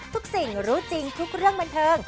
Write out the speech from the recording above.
ทุกสิ่งรู้จริงทุกเรื่องบันเทิง